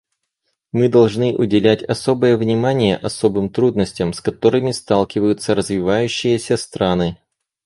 Мы должны уделять особое внимание особым трудностям, с которыми сталкиваются развивающиеся страны.